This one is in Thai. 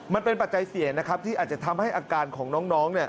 ปัจจัยเสี่ยงนะครับที่อาจจะทำให้อาการของน้อง